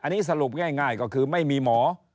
อันนี้สรุปง่ายก็คือไม่มีหมอ